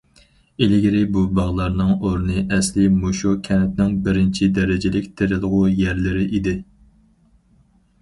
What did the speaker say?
ئىلگىرى بۇ باغلارنىڭ ئورنى ئەسلى مۇشۇ كەنتنىڭ بىرىنچى دەرىجىلىك تېرىلغۇ يەرلىرى ئىدى.